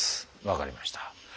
分かりました。